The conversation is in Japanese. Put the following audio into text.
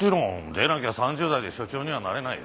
でなきゃ３０代で署長にはなれないよ。